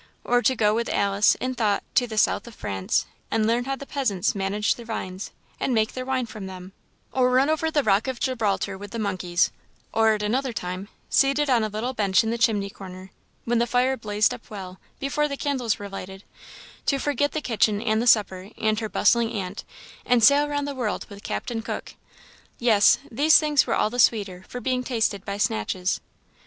or to go with Alice, in thought, to the south of France, and learn how the peasants manage their vines, and make the wine from them; or run over the Rock of Gibraltar with the monkeys; or, at another time, seated on a little bench in the chimney corner, when the fire blazed up well, before the candles were lighted, to forget the kitchen, and the supper, and her bustling aunt, and sail round the world with Captain Cook. Yes these things were all the sweeter for being tasted by snatches.